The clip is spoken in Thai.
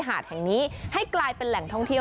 หาดแห่งนี้ให้กลายเป็นแหล่งท่องเที่ยว